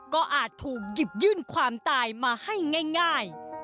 ก็อาจถูกหยิบยื่นความตายมาให้ง่าย